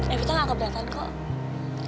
epita gak keberatan kok